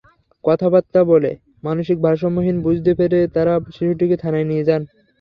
কথাবার্তা বলে মানসিক ভারসাম্যহীন বুঝতে পেরে তাঁরা শিশুটিকে থানায় নিয়ে যান।